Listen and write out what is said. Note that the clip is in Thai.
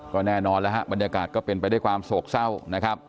ก็แน่นอนแล้วฮะบรรยากาศก็เป็นไปด้วยความโศกเศร้านะครับ